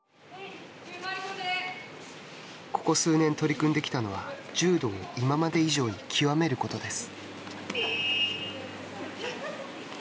ここ数年取り組んできたのは柔道を今まで以上に究めることです。